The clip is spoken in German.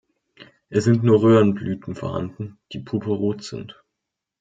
Es sind nur Röhrenblüten vorhanden, die purpurrot sind.